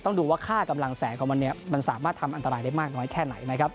ดูว่าค่ากำลังแสงของมันเนี่ยมันสามารถทำอันตรายได้มากน้อยแค่ไหนนะครับ